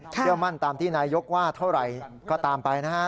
เชื่อมั่นตามที่นายกว่าเท่าไหร่ก็ตามไปนะฮะ